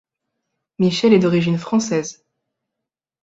Michel est d'origine Française.